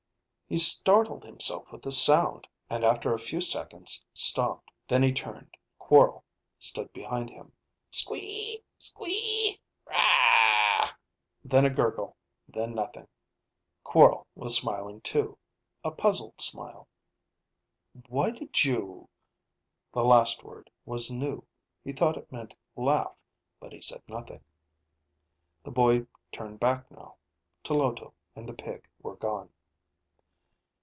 He startled himself with the sound, and after a few seconds stopped. Then he turned. Quorl stood behind him. (Squeeeee ... Squeeee ... raaaaaaa! Then a gurgle, then nothing.) Quorl was smiling too, a puzzled smile. "Why did you ?" (The last word was new. He thought it meant laugh, but he said nothing.) The boy turned back now. Tloto and the pig were gone.